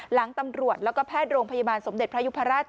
หลังตำรวจแล้วก็แพทย์โรงพยาบาลสมเด็จพระยุพราช